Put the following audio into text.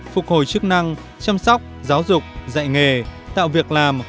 phục hồi chức năng chăm sóc giáo dục dạy nghề tạo việc làm